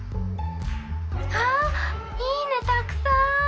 あ『イイね』たくさん！